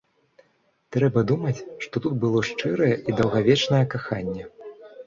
Трэба думаць, што тут было шчырае і даўгавечнае каханне.